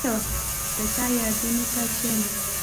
• د چا یادونو ته کښېنه.